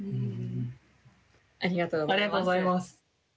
ありがとうございます。